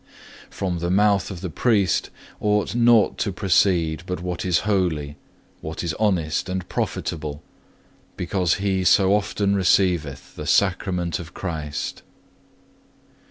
From the mouth of the priest ought naught to proceed but what is holy, what is honest and profitable, because he so often receiveth the Sacrament of Christ.